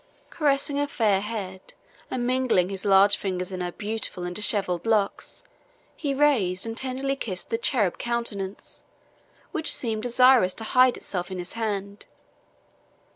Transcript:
Caressing her fair head, and mingling his large fingers in her beautiful and dishevelled locks, he raised and tenderly kissed the cherub countenance which seemed desirous to hide itself in his hand.